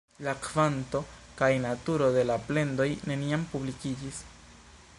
La kvanto kaj naturo de la plendoj neniam publikiĝis.